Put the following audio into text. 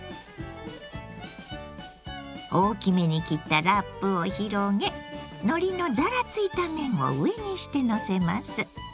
大きめに切ったラップを広げのりのザラついた面を上にしてのせます。